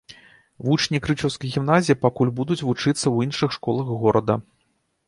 Вучні крычаўскай гімназіі пакуль будуць вучыцца ў іншых школах горада.